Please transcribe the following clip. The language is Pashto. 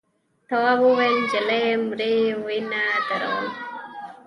تواب وویل نجلۍ مري وینه ودروم.